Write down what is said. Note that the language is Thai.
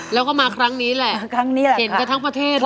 แล้วก็มาครั้งนี้แหละเห็นกันทั้งประเทศเลย